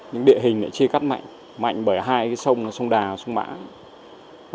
những địa hình lại chi cắt mạnh mạnh bởi hai sông sông đà và sông mã